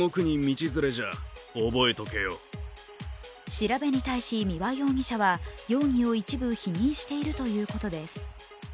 調べに対し、三輪容疑者は容疑を一部否認しているということです。